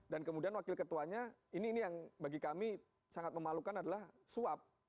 dan kemudian wakil ketuanya ini yang bagi kami sangat memalukan adalah suap